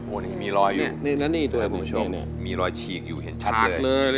โอ้นี่มีรอยอยู่มีรอยฉีกอยู่เห็นชัดเลย